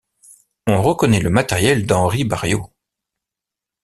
On reconnait le matériel d’Henri Barrio.